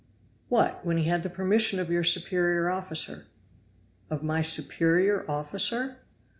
"What! when he had the permission of your superior officer." "Of my superior officer?"